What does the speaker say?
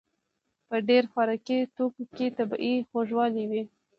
په ډېر خوراکي توکو کې طبیعي خوږوالی وي.